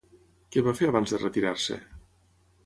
Què va fer abans de retirar-se?